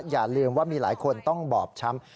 อย่าลืมว่ามีหลายคนต้องบอบช้ำ